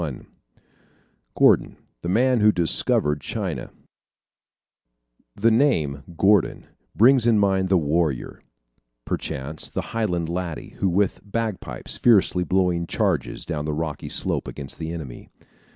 Died. GORDON THE MAN WHO "DISCOVERED" CHINA The name, Gordon, brings to mind the warrior perchance the Highland laddie who with bagpipes fiercely blowing charges down the rocky slope against the enemy.